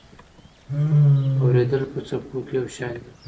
اورېدل په څپو کې یو شان دي.